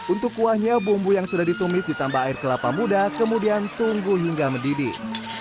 untuk kuahnya bumbu yang sudah ditumis ditambah air kelapa muda kemudian tunggu hingga mendidih